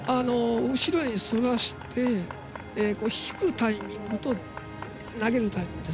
後ろにそらせて引くタイミングと投げるタイミング